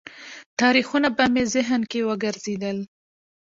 تاریخونه به مې ذهن کې وګرځېدل.